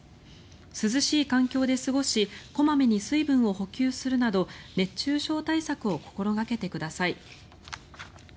涼しい環境で過ごし小まめに水分を補給するなど熱中症対策を心掛けてください。